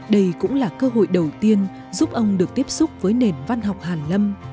đây cũng là cơ hội đầu tiên giúp ông được tiếp xúc với nền văn học hàn lâm